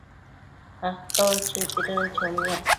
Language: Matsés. aton chuiquidën chomiac